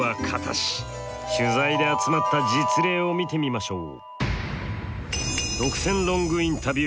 取材で集まった実例を見てみましょう。